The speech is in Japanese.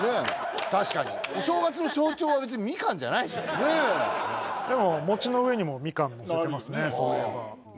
確かにお正月の象徴は別にみかんじゃないでしょでも餅の上にもみかんのせてますね